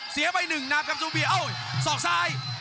เสียไปหนึ่งนับครับซูเปอร์เบียโอ้โหซอกซ้าย